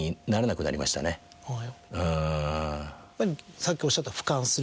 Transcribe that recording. さっきおっしゃった俯瞰する。